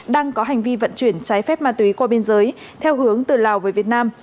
đang có hành vi vận chuyển trái phép ma túy qua biên giới theo hướng từ lào về việt nam